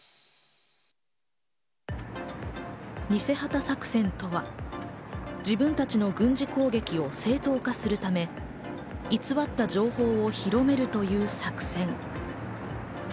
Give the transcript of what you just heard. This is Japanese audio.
偽旗作戦とは自分たちの軍事攻撃を正当化するため、偽った情報を広めるという作戦。